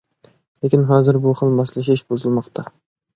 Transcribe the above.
لېكىن ھازىر بۇ خىل ماسلىشىش بۇزۇلماقتا.